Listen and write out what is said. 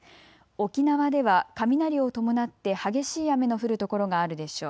沖縄では雷を伴って激しい雨の降る所があるでしょう。